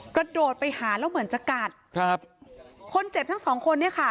กระโดดไปหาแล้วเหมือนจะกัดครับคนเจ็บทั้งสองคนเนี่ยค่ะ